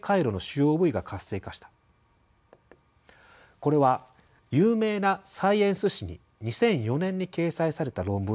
これは有名なサイエンス誌に２００４年に掲載された論文の内容です。